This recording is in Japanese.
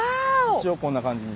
一応こんな感じに。